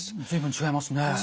随分違いますね。